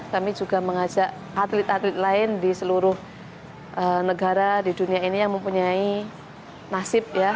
kami juga mengajak atlet atlet lain di seluruh negara di dunia ini yang mempunyai nasib ya